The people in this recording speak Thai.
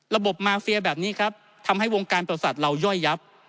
มาเฟียแบบนี้ครับทำให้วงการประสัตว์เราย่อยยับ